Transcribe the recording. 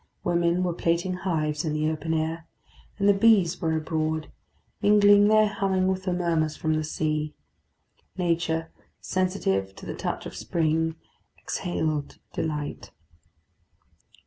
Women were plaiting hives in the open air; and the bees were abroad, mingling their humming with the murmurs from the sea. Nature, sensitive to the touch of spring, exhaled delight.